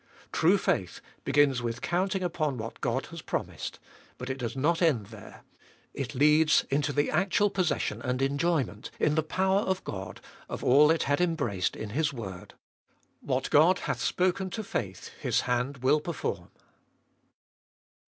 True faith begins with counting upon what God has promised, but it does not end there — it leads into the actual possession and enjoyment, in the power of God, of all it had embraced in His word. What God hath spoken to faith, His hand will perform.